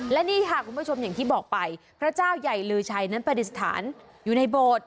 และนี่ค่ะคุณผู้ชมอย่างที่บอกไปพระเจ้าใหญ่ลือชัยนั้นปฏิสถานอยู่ในโบสถ์